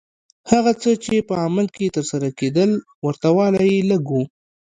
هغه څه چې په عمل کې ترسره کېدل ورته والی یې لږ و.